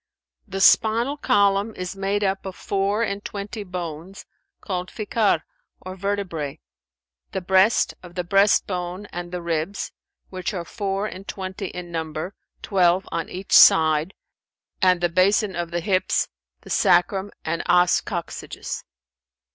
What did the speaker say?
The spinal column is made up of four and twenty bones, called Fikαr or vertebrζ; the breast, of the breastbone and the ribs, which are four and twenty in number, twelve on each side; and the basin of the hips, the sacrum[FN#397] and os coccygis.